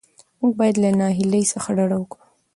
موږ باید له ناهیلۍ څخه ډډه وکړو.